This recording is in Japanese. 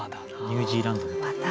ニュージーランドみたい。